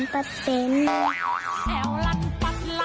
เกรกเราเป็นผู้หญิงนะ